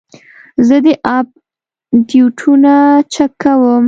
زه د اپ ډیټونه چک کوم.